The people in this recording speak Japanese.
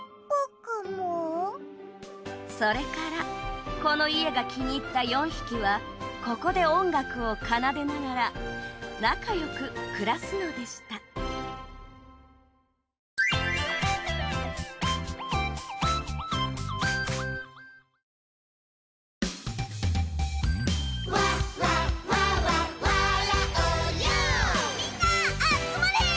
それからこの家が気に入った４匹はここで音楽を奏でながら仲よく暮らすのでしたみんな集まれ！